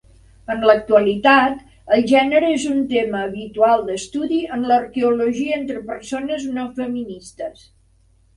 En l'actualitat, el gènere és un tema habitual d'estudi en l'arqueologia entre persones no feministes.